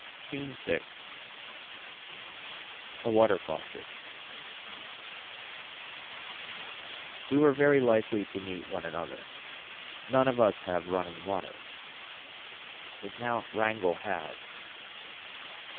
SCENE VI. A water faucet. We were very likely to meet one another. None of us have running water. The count Rangle had.